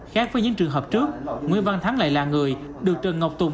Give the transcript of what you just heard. khác với những trường hợp trước nguyễn văn thắng lại là người được trần ngọc tùng